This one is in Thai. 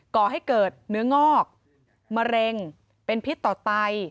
ก่อให้เกิดเนื้องอกมะเร็งเป็นพิษต่อไต